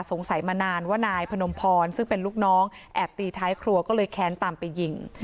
สงสัยมานานว่านายพนมพรซึ่งเป็นลูกน้องแอบตีท้ายครัวก็เลยแค้นตามไปยิง